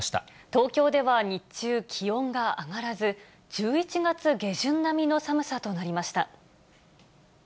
東京では日中、気温が上がらず、１１月下旬並みの寒さとなりました。